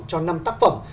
cho năm tác phẩm